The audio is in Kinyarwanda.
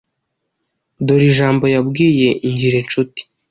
Dore ijambo yabwiye Ngirincuti